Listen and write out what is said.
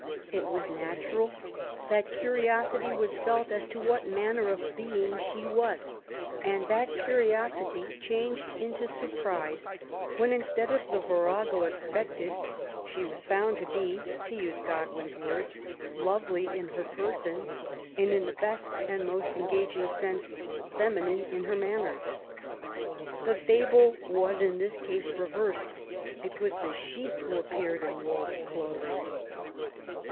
It was natural that cariosity was felt as to what manner of being she was, and that cariosity changed into surprise when, instead of the virago expected, she was found to be, to use GtM win's words, lovely in her person, and^ in the best and most engaging sense, feminine in her manners.'^ The fable was in this case reversed ; it was the sheep who had appeared in wolfs clothing.